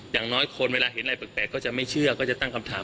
อย่างน้อยคนเวลาเห็นอะไรแปลกก็จะไม่เชื่อก็จะตั้งคำถาม